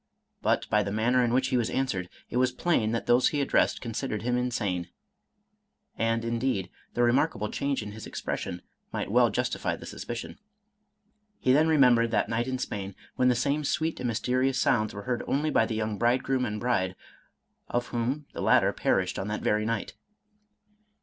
But, by the manner in which he was answered, it was plain that those he addressed considered him insane; and, indeed, the remarkable change in his expression might well justify the suspicion. He then remembered that night in Spain, when the same sweet and mysterious sounds were heard only by the young bridegroom and bride, of whom the latter perished on that very night.